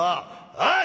よし！